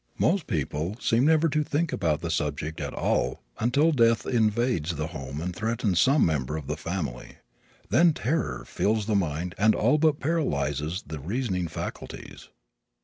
Most people seem never to think of the subject at all until death invades the home and threatens some member of the family. Then terror fills the mind and all but paralyzes the reasoning faculties.